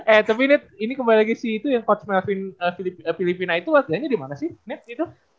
eh tapi net ini kembali lagi si coach melvin filipina itu latihannya dimana sih net itu